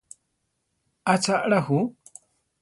¿Acha alá ju?